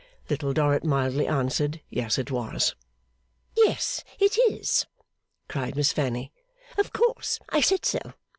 Little Dorrit mildly answered, yes it was. 'Yes it is!' cried Miss Fanny. 'Of course! I said so!